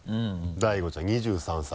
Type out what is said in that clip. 大悟ちゃん２３歳。